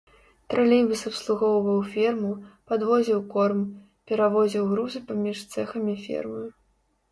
Тралейбус абслугоўваў ферму, падвозіў корм, перавозіў грузы паміж цэхамі фермы.